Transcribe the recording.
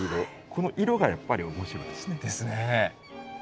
この色がやっぱり面白いですね。ですね。